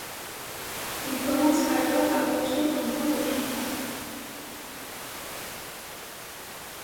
Ils commencent alors à projeter un plan de fuite.